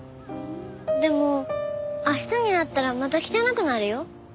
でも明日になったらまた汚くなるよ。